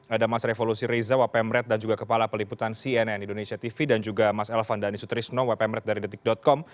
ada mas revolusi riza wapemret dan juga kepala peliputan cnn indonesia tv dan juga mas elvan dhani sutrisno wapemret dari detik com